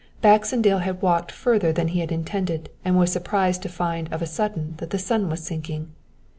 Baxendale had walked further than he had intended and was surprised to find of a sudden that the sun was sinking.